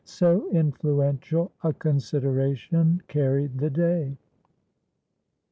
So influential a consideration carried the day.